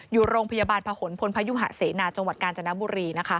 อยู่โรงพยาบาลพะหนพลพยุหะเสนาจังหวัดกาญจนบุรี